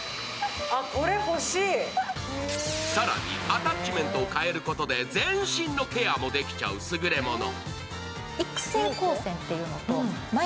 さらにアタッチメントを替えることで全身のケアもできちゃうスグレモノ。